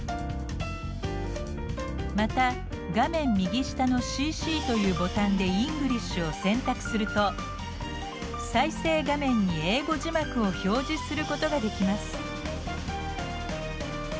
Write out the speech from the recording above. また画面右下の「ＣＣ」というボタンで「Ｅｎｇｌｉｓｈ」を選択すると再生画面に英語字幕を表示することができます。